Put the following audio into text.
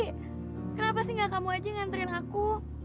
kenapa sih gak kamu aja nganterin aku